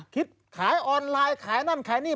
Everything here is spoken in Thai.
คิดขายออนไลน์ขายนั่นขายนี่